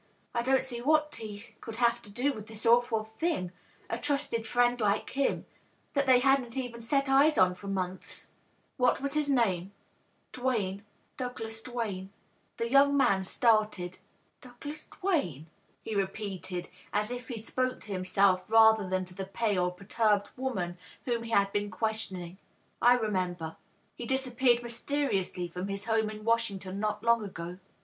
I don't see what he could have had to do with this awful thing — a trusted friend like him, that •ftiey hadn't even set eyes on for monflis." DOUGLAS DUANE. 637 " What was his name?' " Duane. Douglas Duane.'' The young man started. " Douglas Duane/^ he repeated, as if he spoke to himself rather than to the pale, perturbed woman whom he had been questioning. "I remember. He disappeared mysteriously &om his home in Washington not long ago.